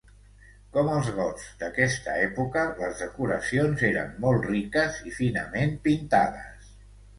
Com els gots d'aquesta època, les decoracions eren molt riques i finament pintades.